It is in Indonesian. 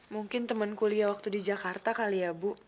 mungkin temen kuliah waktu di jakarta kali ya bu